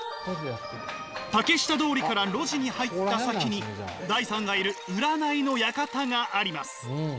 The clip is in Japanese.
竹下通りから路地に入った先にダイさんがいる占いの館があります。